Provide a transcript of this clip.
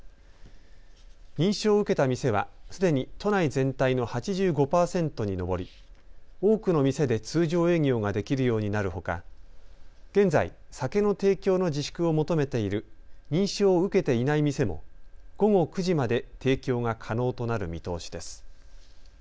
認証を受けた店はすでに都内全体の８５％に上り多くの店で通常営業ができるようになるほか現在、酒の提供の自粛を求めている認証を受けていない店も午後９時まで提供が可能となる見通しです。